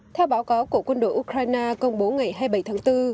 theo báo cáo của quân đội ukraine công bố ngày hai mươi bảy tháng bốn